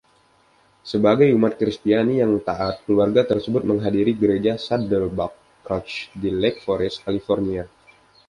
Sebagai umat Kristiani yang taat, keluarga tersebut menghadiri Gereja Saddleback Church di Lake Forest, California.